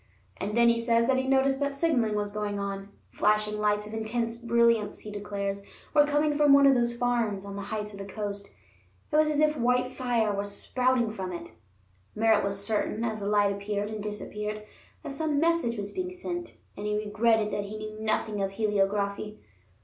And then he says that he noticed that signaling was going on. Flashing lights of intense brilliance, he declares, were coming from one of those farms on the heights of the coast; it was as if white fire was spouting from it. Merritt was certain, as the light appeared and disappeared, that some message was being sent, and he regretted that he knew nothing of heliography.